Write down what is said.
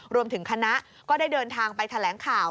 รวมถึงคณะก็ได้เดินทางไปแถลงข่าว